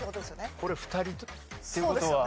これ２人っていう事は。